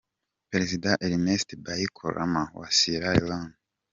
Perezida Ernest Bai Koroma wa Sierra Leone.